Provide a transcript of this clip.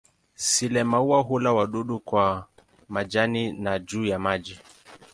Sile-maua hula wadudu kwa majani na juu ya maji.